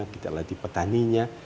kita latih petaninya